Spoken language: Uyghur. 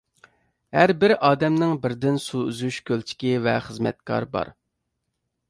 ھەربىر ئادەمنىڭ بىردىن سۇ ئۈزۈش كۆلچىكى ۋە خىزمەتكار بار.